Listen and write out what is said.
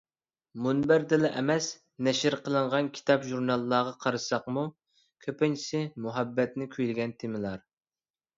مۇنبەردىلا ئەمەس، نەشر قىلىنغان كىتاب-ژۇرناللارغا قارىساقمۇ، كۆپىنچىسى مۇھەببەتنى كۈيلىگەن تېمىلار.